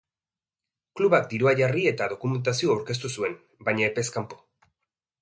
Klubak dirua jarri eta dokumentazioa aurkeztu zuen, baina epez kanpo.